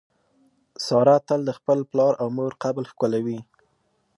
ساره تل د خپل پلار او مور قبر ښکلوي.